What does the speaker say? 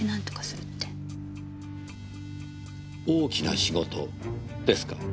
大きな仕事ですか。